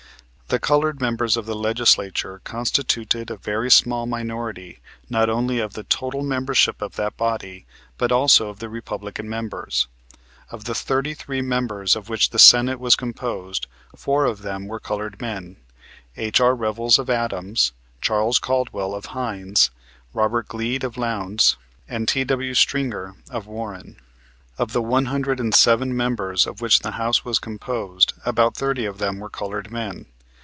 The colored members of the Legislature constituted a very small minority not only of the total membership of that body but also of the Republican members. Of the thirty three members of which the Senate was composed four of them were colored men: H.R. Revels, of Adams; Charles Caldwell, of Hinds; Robert Gleed, of Lowndes, and T.W. Stringer, of Warren. Of the one hundred and seven members of which the House was composed about thirty of them were colored men.